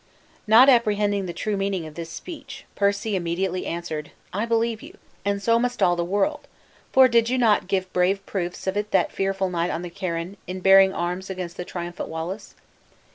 Not apprehending the true meaning of this speech, Percy immediately answered, "I believe you, and so must all that world; for did you not give brave proofs of it that fearful night on the Carron, in bearing arms against the triumphant Wallace?"